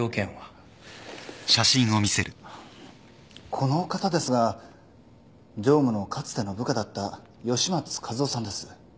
この方ですが常務のかつての部下だった吉松和男さんです。